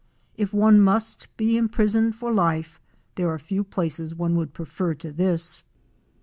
If one must be imprisoned for life there are few places one would prefer to this!